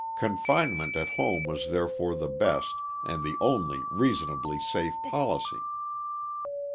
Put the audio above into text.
Confinement at home was therefore the best and the only reasonably safe policy.